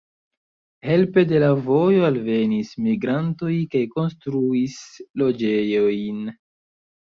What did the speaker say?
Helpe de la vojo alvenis migrantoj kaj konstruis loĝejojn.